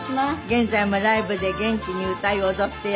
現在もライブで元気に歌い踊っていらっしゃる。